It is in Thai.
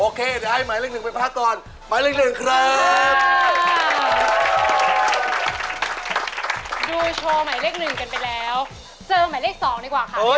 โอเคเดี๋ยวให้หมายเรื่องหนึ่งไปพาคตอน